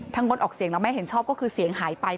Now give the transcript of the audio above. งดออกเสียงแล้วไม่เห็นชอบก็คือเสียงหายไป